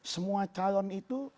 semua calon itu